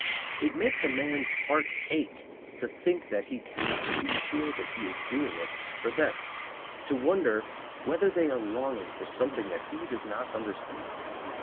It makes a man's heart ache to think that he cannot be sure that he is doing it for them; to wonder whether they are longing for something that he does not understand.